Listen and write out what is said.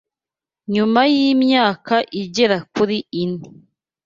Nyuma y’imyaka igera kuri ine